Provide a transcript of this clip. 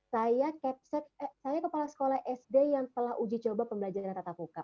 saya kepala sekolah sd yang telah uji coba pembelajaran tatap muka